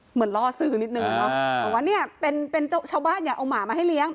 เหมือนล่อซื้อนิดหนึ่งเนอะบอกว่าเนี้ยเป็นเป็นชาวบ้านอยากเอาหมามาให้เลี้ยง